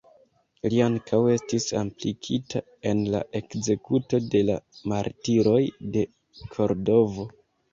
Li ankaŭ estis implikita en la ekzekuto de la "Martiroj de Kordovo".